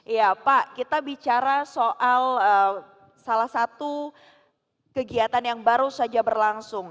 iya pak kita bicara soal salah satu kegiatan yang baru saja berlangsung